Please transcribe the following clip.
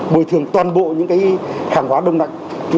bồi thường toàn bộ những hàng hóa đông nạnh